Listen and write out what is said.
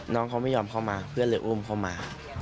น้องเขาไม่ยอมเข้ามาเพื่อนเลยอุ้มเข้ามา